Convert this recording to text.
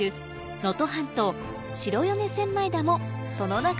能登半島白米千枚田もその中の１つ